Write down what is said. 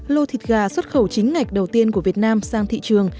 lô thịt gà xuất khẩu chính ngạch đầu tiên của việt nam sang thị trường